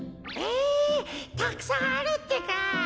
えたくさんあるってか。